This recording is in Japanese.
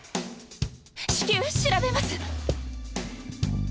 至急調べます！